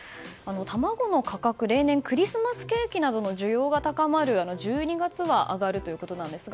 卵の価格、例年クリスマスケーキなどの需要が高まる１２月は上がるということですが